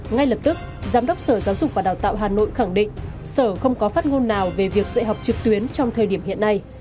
ngay lập tức giám đốc sở giáo dục và đào tạo hà nội khẳng định sở không có phát ngôn nào về việc dạy học trực tuyến trong thời điểm hiện nay